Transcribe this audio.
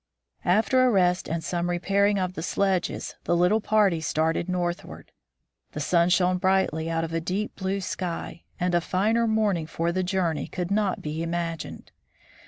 After a rest and some repairing of the sledges the little party started northward. The sun shone brightly out of a deep blue sky, and a finer morning for the journey could not be imagined.